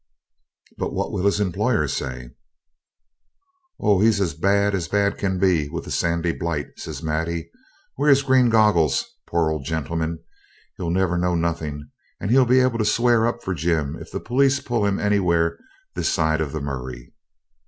'But what will his employer say?' 'Oh! he's as bad as bad can be with the sandy blight,' says Maddie, 'wears green goggles, poor old gentleman. He'll never know nothing, and he'll be able to swear up for Jim if the police pull him anywhere this side of the Murray.'